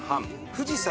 富士山。